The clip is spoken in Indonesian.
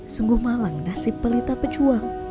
sungguh malang nasib pelita pejuang hidrosefalus ini